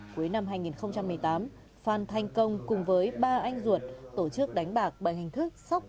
cuối năm hai nghìn một mươi tám phan thanh công cùng với ba anh ruột tổ chức đánh bạc bệnh hình thức sóc bầu cua ăn tiền